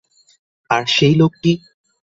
আর সেই লোকটি?